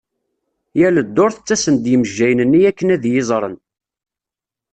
Yal ddurt ttasen-d yimejjayen-nni akken ad iyi-iẓren.